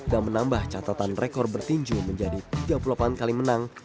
dan menambah catatan rekor bertinju menjadi tiga puluh delapan kali menang